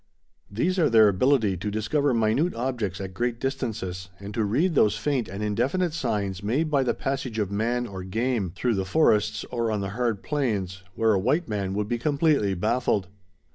These are their ability to discover minute objects at great distances, and to read those faint and indefinite signs made by the passage of man or game through the forests or on the hard plains, where a white man would be completely baffled.